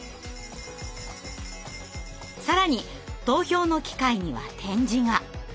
更に投票の機械には点字が。